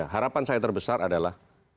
harapan saya terbesar adalah